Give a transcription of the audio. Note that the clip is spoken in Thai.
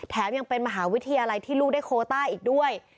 ยังเป็นมหาวิทยาลัยที่ลูกได้โคต้าอีกด้วย